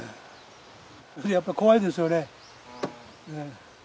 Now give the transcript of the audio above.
やっぱ怖いですよね。